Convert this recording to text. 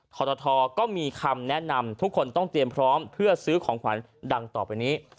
ทรทก็มีคำแนะนำทุกคนต้องเตรียมพร้อมเพื่อซื้อของขวัญดังต่อไปนี้